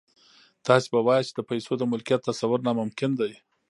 تاسې به واياست چې د پيسو د ملکيت تصور ناممکن دی.